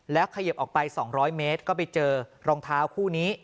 เขยิบออกไป๒๐๐เมตรก็ไปเจอรองเท้าคู่นี้